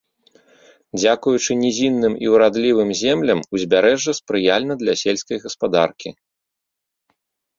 Дзякуючы нізінным і урадлівым землям, узбярэжжа спрыяльна для сельскай гаспадаркі.